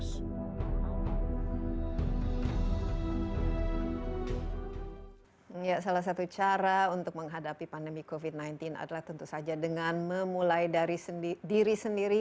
salah satu cara untuk menghadapi pandemi covid sembilan belas adalah tentu saja dengan memulai dari diri sendiri